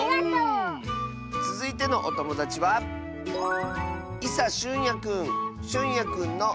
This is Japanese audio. つづいてのおともだちはしゅんやくんの。